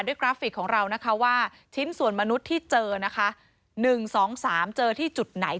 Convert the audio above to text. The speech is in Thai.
ด้วยกราฟฟิกของเรานะคะว่าชิ้นส่วนมนุษย์ที่เจอนะคะหนึ่งสองสามเจอที่จุดไหน